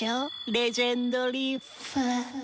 「レジェンドリーフ」。